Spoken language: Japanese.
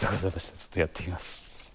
ちょっとやってみます。